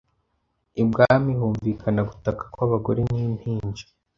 ibwami humvikana gutaka kwabagore nimpinja